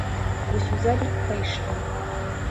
Вось узялі і пайшлі.